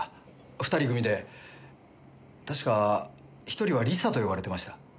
２人組で確か１人は「リサ」と呼ばれてました。